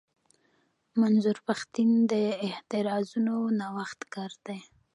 منظور پښتين د اعتراضونو نوښتګر دی.